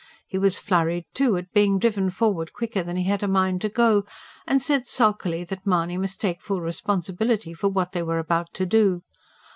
He was flurried, too, at being driven forward quicker than he had a mind to go, and said sulkily that Mahony must take full responsibility for what they were about to do.